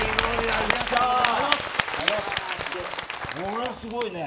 ものすごいね。